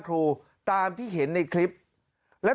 เมื่อกี้มันร้องพักเดียวเลย